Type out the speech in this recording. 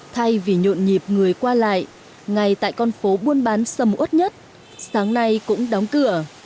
thay vì nhộn nhịp người qua lại ngay tại con phố buôn bán sầm ốt nhất sáng nay cũng đóng cửa